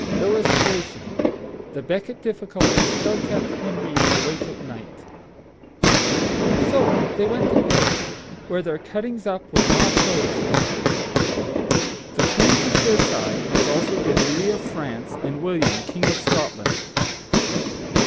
[Illustration: THE BECKET DIFFICULTY STILL KEPT HENRY AWAKE AT NIGHT.] So they went to Paris, where their cuttings up were not noticed. The queen took their side, as also did Louis of France and William, King of Scotland.